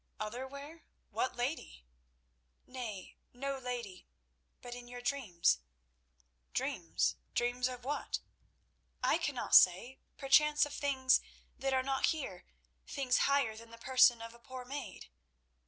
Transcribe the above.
"Other where? What lady—?" "Nay, no lady; but in your dreams." "Dreams? Dreams of what?" "I cannot say. Perchance of things that are not here—things higher than the person of a poor maid."